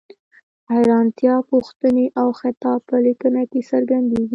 حیرانتیا، پوښتنې او خطاب په لیکنه کې څرګندیږي.